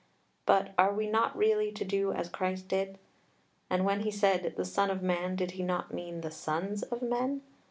But are we not really to do as Christ did? And when he said the "Son of Man," did he not mean the sons of men?